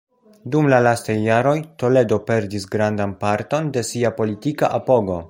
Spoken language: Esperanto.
Dum la lastaj jaroj, Toledo perdis grandan parton de sia politika apogo.